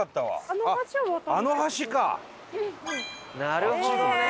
なるほどね。